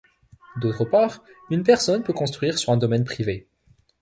D'autre part une personne peut construire sur un domaine privé.